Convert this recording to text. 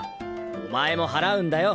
お前も払うんだよ